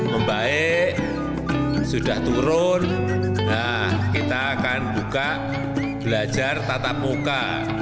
membaik sudah turun kita akan buka belajar tatap muka